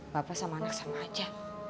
bapak sama anak sama aja